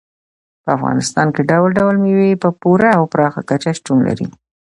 په افغانستان کې ډول ډول مېوې په پوره او پراخه کچه شتون لري.